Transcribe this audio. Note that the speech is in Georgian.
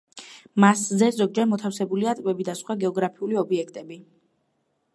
მასზე ზოგჯერ მოთავსებულია ტბები და სხვა გეოგრაფიული ობიექტები.